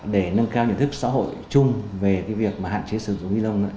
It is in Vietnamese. để nâng cao nhận thức xã hội chung về cái việc mà hạn chế dùng túi ni lông